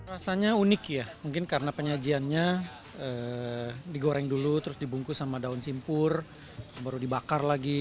rasanya unik ya mungkin karena penyajiannya digoreng dulu terus dibungkus sama daun simpur baru dibakar lagi